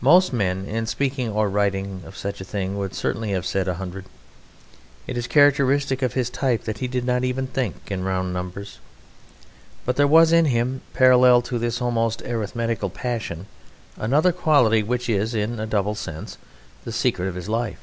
Most men, in speaking or writing of such a thing, would certainly have said "a hundred." It is characteristic of his type that he did not even think in round numbers. But there was in him, parallel to this almost arithmetical passion, another quality which is, in a double sense, the secret of his life.